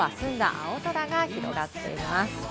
青空が広がっています。